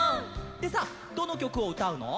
でさどのきょくをうたうの？